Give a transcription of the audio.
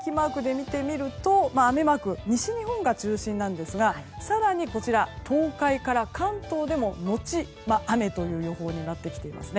雨マークは西日本が中心なんですが更に東海から関東でも、のち雨という予報になってきています。